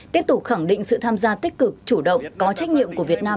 tiếp tục khẳng định sự tham gia tích cực chủ động có trách nhiệm của việt nam